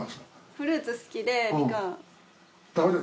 フルーツ好きでみかん。